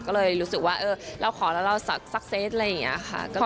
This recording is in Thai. ก็เลยรู้สึกว่าเราขอแล้วเราสักเซตอะไรอย่างนี้ค่ะ